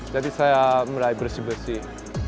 jadi saya mulai bersih bersih